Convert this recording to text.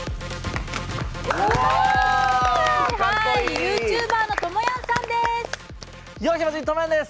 ＹｏｕＴｕｂｅｒのともやんさんです。